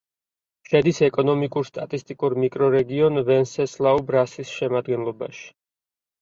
შედის ეკონომიკურ-სტატისტიკურ მიკრორეგიონ ვენსესლაუ-ბრასის შემადგენლობაში.